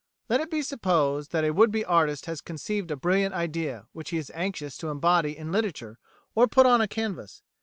Let it be supposed that a would be artist has conceived a brilliant idea which he is anxious to embody in literature or put on a canvas.